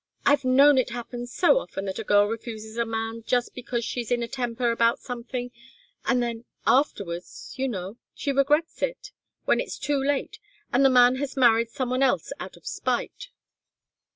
"I've known it happen so often that a girl refuses a man just because she's in a temper about something, and then afterwards, you know she regrets it, when it's too late, and the man has married some one else out of spite."